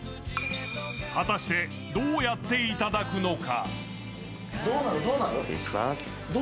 果たしてどうやっていただくのか。